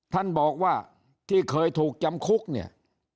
ท่านบอกว่าที่เคยถูกจำคุกเนี่ย